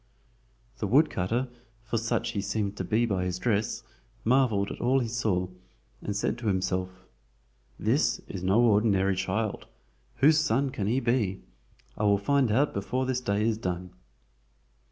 The woodcutter, for such he seemed to be by his dress, marveled at all he saw, and said to himself: "This is no ordinary child. Whose son can he be? I will find out before this day is done."